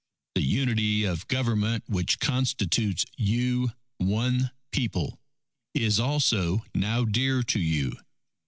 _The Unity of Government, which constitutes you One People, is also now dear to you.